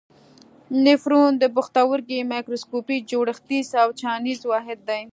نفرون د پښتورګي میکروسکوپي جوړښتیز او چاڼیز واحد دی.